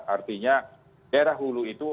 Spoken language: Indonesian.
artinya daerah hulu itu